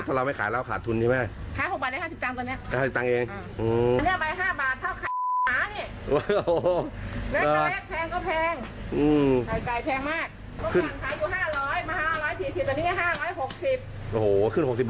ทั้งข้อสารน้ำมันน้ำปลาน้ำจานไข่ไก่ขึ้นหมด